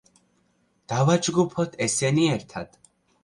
დავაჯგუფოთ ესენი ერთად.